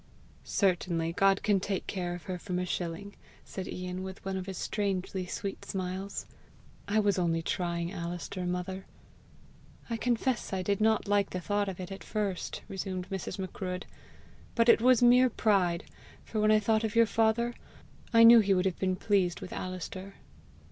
"Certainly God can take care of her from a shilling!" said Ian, with one of his strangely sweet smiles. "I was only trying Alister, mother." "I confess I did not like the thought of it at first," resumed Mrs. Macruadh; "but it was mere pride; for when I thought of your father, I knew he would have been pleased with Alister."